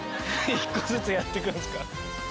１個ずつやって行くんすか？